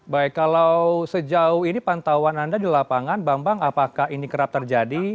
baik kalau sejauh ini pantauan anda di lapangan bambang apakah ini kerap terjadi